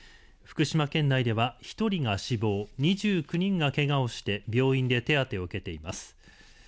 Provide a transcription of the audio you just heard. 福島県内では１人が死亡２９人がけがをして病院で手当てを受けています。